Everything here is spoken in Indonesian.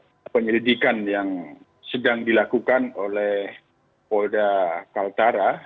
proses penyelidikan yang sedang dilakukan oleh polda kaltara